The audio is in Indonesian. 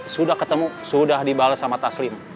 sudah ketemu sudah dibalas sama taslim